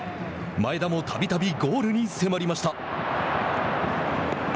前田も、たびたびゴールに迫りました。